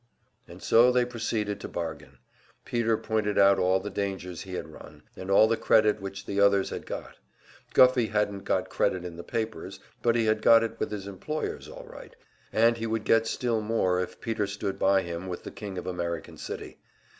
And so they proceeded to bargain. Peter pointed out all the dangers he had run, and all the credit which the others had got. Guffey hadn't got credit in the papers, but he had got it with his employers, all right, and he would get still more if Peter stood by him with the king of American City.